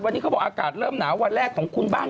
วันนี้เขาบอกอากาศเริ่มหนาววันแรกของคุณบ้าง